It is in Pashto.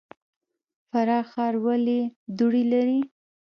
فراه ښار ولې دوړې لري؟